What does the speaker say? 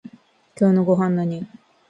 今日のごはんなに？